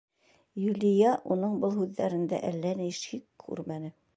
Юлия уның был һүҙҙәрендә әллә ни шик күрмәне: